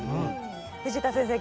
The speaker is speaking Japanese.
藤田先生